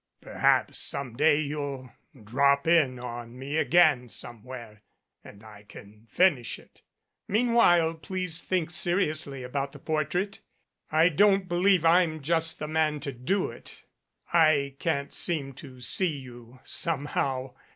Perhaps some day you'll "drop in" on me again somewhere and I can finish it. Meanwhile please think seriously about the portrait. I don't believe I'm just the man to do it. I can't seem to see you somehow.